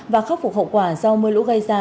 và khắc phục hậu quả do mưa lũ gây ra